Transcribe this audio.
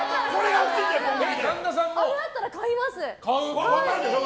あれだったら買います。